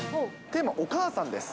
テーマ、お母さんです。